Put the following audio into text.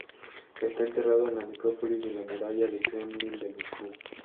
Está enterrado en la Necrópolis de la Muralla del Kremlin de Moscú.